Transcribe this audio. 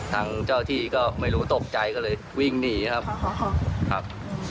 ทางเจ้าที่ก็ไม่รู้ตกใจก็เลยวิ่งหนีครับครับ